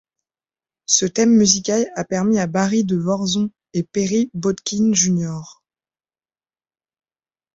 Ce thème musical a permis à Barry De Vorzon et Perry Botkin Jr.